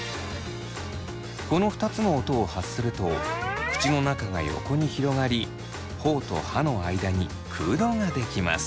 この２つの音を発すると口の中が横に広がりほおと歯の間に空洞が出来ます。